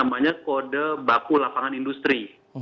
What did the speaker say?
namanya kode baku lapangan industri